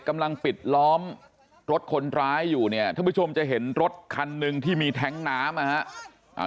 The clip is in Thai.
กำลังปิดล้อมรถคนร้ายอยู่เนี่ยท่านผู้ชมจะเห็นรถคันหนึ่งที่มีแท้งน้ำนะฮะ